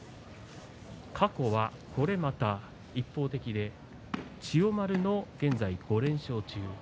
過去はこれまた一方的で千代丸の現在５連勝中です。